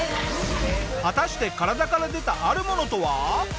果たして体から出たあるものとは？